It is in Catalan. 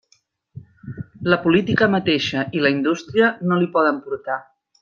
La política mateixa i la indústria no l'hi poden portar.